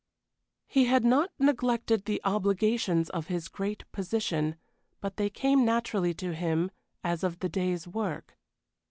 He had not neglected the obligations of his great position, but they came naturally to him as of the day's work.